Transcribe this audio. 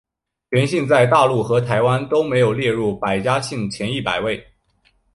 全姓在大陆和台湾都没有列入百家姓前一百位。